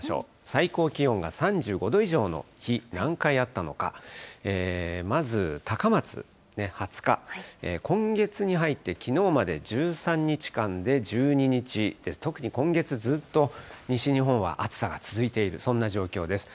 最高気温が３５度以上の日、何回あったのか、まず高松２０日、今月に入ってきのうまで１３日間で１２日、特に今月ずっと、西日本は暑さが続いている、そんな状況です。